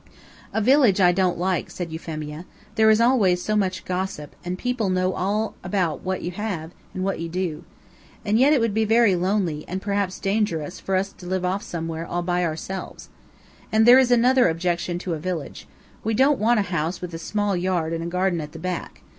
"A village I don't like," said Euphemia: "there is always so much gossip, and people know all about what you have, and what you do. And yet it would be very lonely, and perhaps dangerous, for us to live off somewhere, all by ourselves. And there is another objection to a village. We don't want a house with a small yard and a garden at the back.